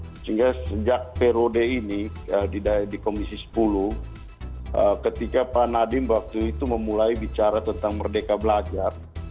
sehingga sejak periode ini di komisi sepuluh ketika pak nadiem waktu itu memulai bicara tentang merdeka belajar